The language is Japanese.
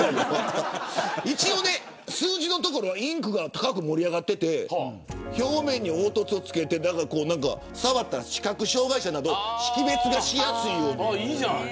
数字の所はインクが高く盛り上がっていて表面に凹凸を付けて触って視覚障害者でも識別がしやすいようにしている。